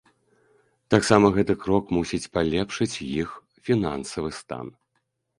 Таксама гэты крок мусіць палепшыць іх фінансавы стан.